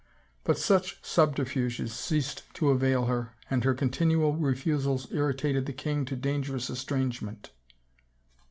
But such subterfuges ceased to avail her and her continual refusals irritated the king to dangerous estrangement.